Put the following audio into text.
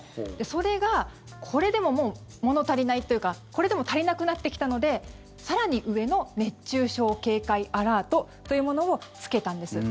それがこれでももう、物足りないというかこれでも足りなくなってきたので更に上の熱中症警戒アラートというものをつけたんです。